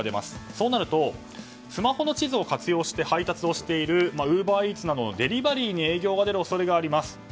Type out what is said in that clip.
そうなるとスマホの地図を活用して配達をしているウーバーイーツなどのデリバリーに影響が出る恐れがあります。